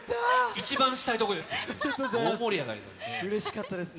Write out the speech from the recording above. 一番したいところですからね。